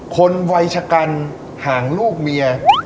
คนวัยชะกันห่างลูกเมีย